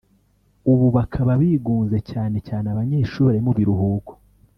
ubu bakaba bigunze cyane cyane abanyeshuli bari mu biruhuko